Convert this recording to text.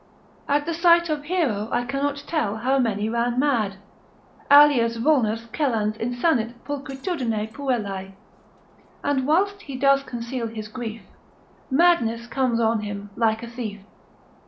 At the sight of Hero I cannot tell how many ran mad, Alius vulnus celans insanit pulchritudine puellae. And whilst he doth conceal his grief, Madness comes on him like a thief.